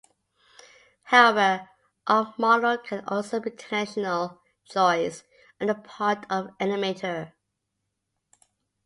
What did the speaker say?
However, off-model can also be an intentional choice on the part of an animator.